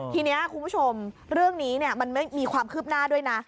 ทีนี้คุณผู้ชมเรื่องนี้มันไม่มีความคืบหน้าด้วยนะ